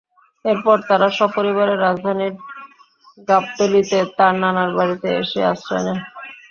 এরপর তাঁরা সপরিবারে রাজধানীর গাবতলীতে তাঁর নানার বাড়িতে এসে আশ্রয় নেন।